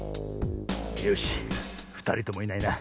よしふたりともいないな。